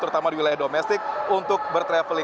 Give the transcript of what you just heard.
terutama di wilayah domestik untuk bertraveling